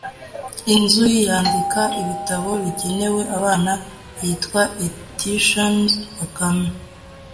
inzu yandika ibitabo bigenewe abana yitwa Editions Bakame